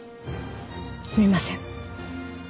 すみません。